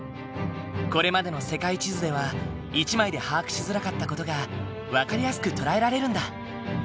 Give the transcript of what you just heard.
これまでの世界地図では１枚で把握しづらかった事が分かりやすく捉えられるんだ。